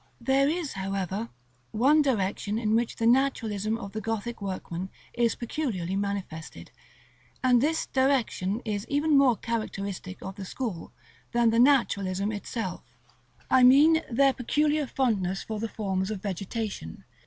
§ LXVIII. There is, however, one direction in which the Naturalism of the Gothic workmen is peculiarly manifested; and this direction is even more characteristic of the school than the Naturalism itself; I mean their peculiar fondness for the forms of Vegetation.